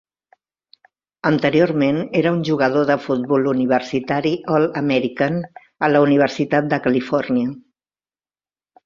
Anteriorment era un jugador de futbol universitari All-American a la Universitat de Califòrnia.